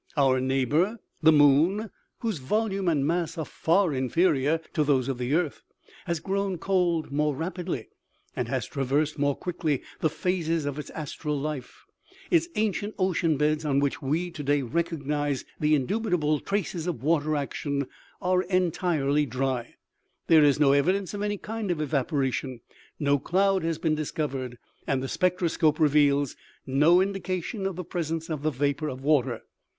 Our neighbor the 94 OMEGA. NO MORE WATER. moon, whose volume and mass are far inferior to those of the earth, has grown cold more rapidly, and has traversed more quickly the phases of its astral life ; its ancient ocean beds, on which we, today, recognize the indubitable traces of water action, are entirely dry ; there is no evi dence of any kind of evaporation ; no cloud has been dis covered, and the spectroscope reveals no indication of the presence of the vapor of water.